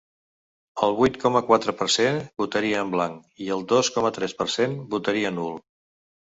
El vuit coma quatre per cent votaria en blanc i el dos coma tres per cent votaria nul.